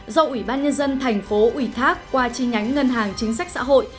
do ủy ban nhân dân tp ủy thác qua chi nhánh ngân hàng chính sách xã hội